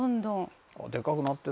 「でかくなってる」